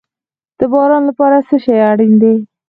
د باران لپاره څه شی اړین دي؟